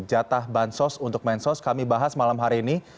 jatah bansos untuk mensos kami bahas malam hari ini